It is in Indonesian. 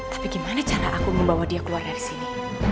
tapi gimana cara aku membawa dia keluar dari sini